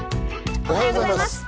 おはようございます。